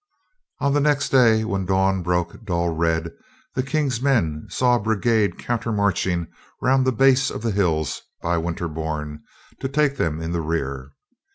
On the next day, when dawn broke dull red, the King's men saw a brigade counter marching round the base of the hills by Winterbourn to take them in the rear.